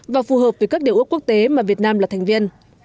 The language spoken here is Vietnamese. và phù hợp với các điều ước quốc tế mà việt nam là thành viên